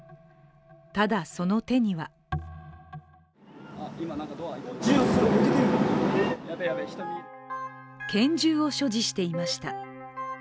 ただ、その手には拳銃を所持していました。